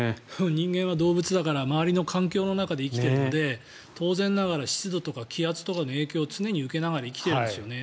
人間は動物だから周りの環境の中で生きているので当然ながら湿度とか気圧の影響を常に受けながら生きているんですよね。